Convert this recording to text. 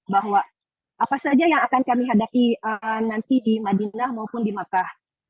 bahwa apa saja yang akan kami hadapi nanti di madinah maupun di makkah